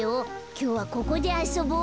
きょうはここであそぼう。